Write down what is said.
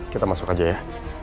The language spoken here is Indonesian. kita masuk aja ya